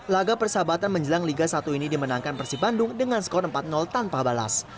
laga persahabatan menjelang liga satu ini dimenangkan persibandung dengan skor empat tanpa balas